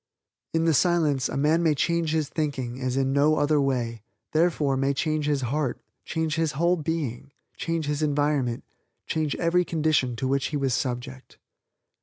In the Silence a man may change his thinking as in no other way, therefore, may change his heart, change his whole being, change his environment, change every condition to which he was subject.